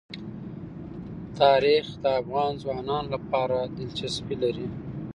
تاریخ د افغان ځوانانو لپاره دلچسپي لري.